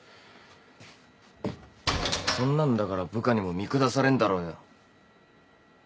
そんなんだから部下にも見下されんだろうよ。